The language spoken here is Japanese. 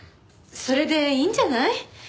それでいいんじゃない？